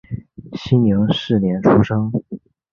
熙宁四年出生。